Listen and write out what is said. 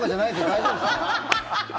大丈夫ですね？